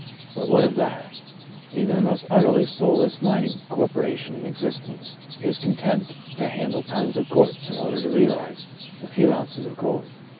But what of that ? Even the most utterly soul less mining corporation in existence is con tent to handle tons of quartz in order to realize a few ounces of gold.